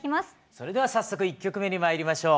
それでは早速１曲目にまいりましょう。